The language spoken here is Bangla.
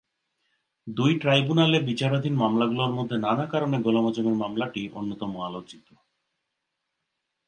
দুই ট্রাইব্যুনালে বিচারাধীন মামলাগুলোর মধ্যে নানা কারণে গোলাম আযমের মামলাটি অন্যতম আলোচিত।